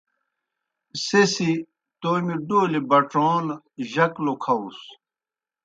سہ سی تومیْ ڈولیْ بڇون جک لُکھاؤس۔